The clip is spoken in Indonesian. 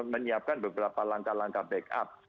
menyiapkan beberapa langkah langkah backup